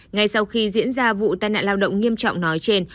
ngay sau khi diễn ra vụ tai nạn lao động nghiêm trọng nói trên